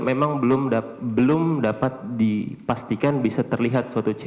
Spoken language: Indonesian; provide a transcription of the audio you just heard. memang belum dapat dipastikan bisa terlihat suatu ciri